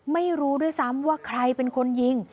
ไม่รู้ด้วยซ้ำว่าใครเป็นคนยิง